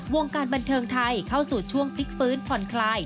วงการบันเทิงไทยเข้าสู่ช่วงพลิกฟื้นผ่อนคลาย